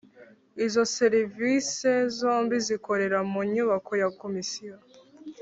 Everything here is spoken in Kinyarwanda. Izo serivise zombi zikorera mu nyubako ya Komisiyo